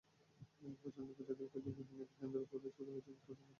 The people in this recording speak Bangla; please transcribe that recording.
পছন্দের পোশাকের খোঁজে বিপণিকেন্দ্র থেকে শুরু করে ফুটপাত সবখানেই এখন ক্রেতার ভিড়।